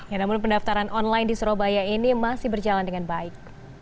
ya namun pendaftaran online di surabaya ini masih berjalan dengan baik